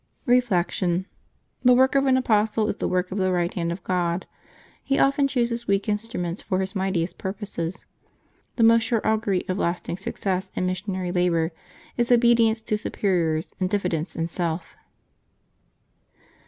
Reflection. — The work of an apostle is the work of the right hand of God. He often chooses weak instruments for His mightiest purposes. The most sure augury of last ing success in missionary labor is obedience to superiors and diffidence in self.